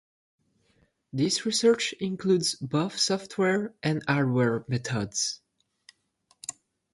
This research includes both software and hardware methods.